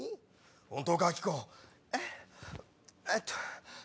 ええっと。